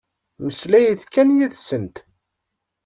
Mmeslayet kan yid-sent.